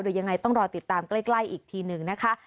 ยังไงต้องรอติดตามใกล้อีกทีหนึ่งนะคะ